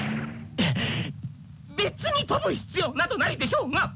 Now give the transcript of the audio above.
別に飛ぶ必要などないでしょうが！